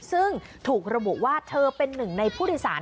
ซึ่งถูกระบุว่าเธอเป็นหนึ่งในผู้โดยสาร